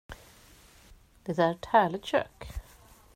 Det är ett härligt kök.